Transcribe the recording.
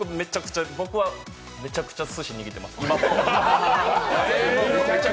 僕はめちゃくちゃ、すし握ってます。